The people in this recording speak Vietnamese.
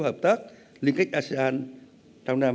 hợp tác liên kết asean trong năm hai nghìn hai mươi